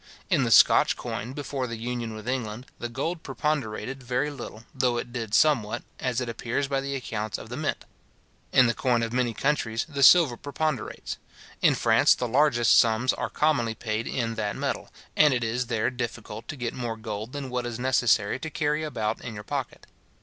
In the Scotch coin, before the union with England, the gold preponderated very little, though it did somewhat {See Ruddiman's Preface to Anderson's Diplomata, etc. Scotiae.}, as it appears by the accounts of the mint. In the coin of many countries the silver preponderates. In France, the largest sums are commonly paid in that metal, and it is there difficult to get more gold than what is necessary to carry about in your pocket.